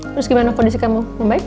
terus gimana kondisi kamu